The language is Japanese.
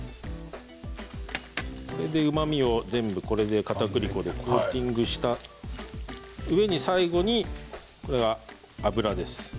これでうまみを全部このかたくり粉でコーティングしてそのうえに最後に油です。